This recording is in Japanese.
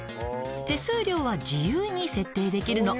手数料は自由に設定できるの。